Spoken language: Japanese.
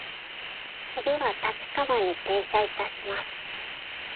次は立川に停車いたします。